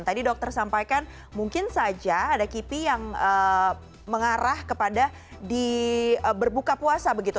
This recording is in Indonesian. tadi dokter sampaikan mungkin saja ada kipi yang mengarah kepada di berbuka puasa begitu